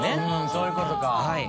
そういうことか。